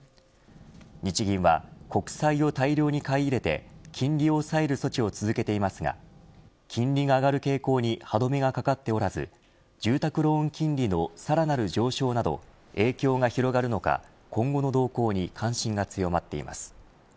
日銀は、国債を大量に買い入れて金利を抑える措置を続けていますが金利が上がる傾向に歯止めがかかっておらず住宅ローン金利のさらなる上昇など影響が広がるのか、今後の動向に関心が強まっています。